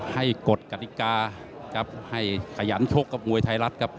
ให้กดความค้าให้ขยันชกกับมวยไทรัตย์ครับ